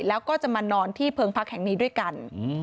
แล้วก็จะมานอนที่เพิงพักแห่งนี้ด้วยกัน